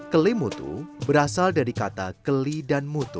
kelimutu berasal dari kata keli dan mutu